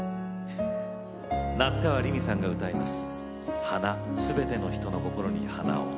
夏川りみさんが歌います。